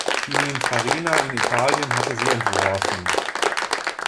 Pininfarina in Italien hatte sie entworfen.